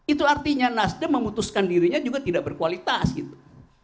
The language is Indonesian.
itu artinya nasdem memutuskan dirinya juga tidak berkualitas gitu